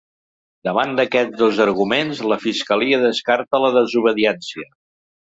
Davant d’aquests dos arguments la fiscalia descarta la desobediència.